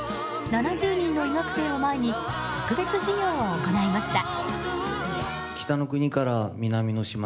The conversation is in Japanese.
７０人の医学生を前に特別授業を行いました。